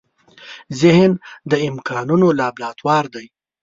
ذهن د امکانونو لابراتوار دی.